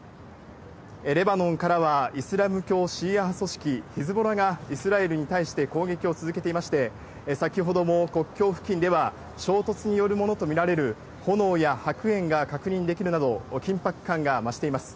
レバノンからはイスラム教シーア派組織ヒズボラが、イスラエルに対して攻撃を続けていまして、先ほども国境付近では、衝突によるものと見られる炎や白煙が確認できるなど、緊迫感が増しています。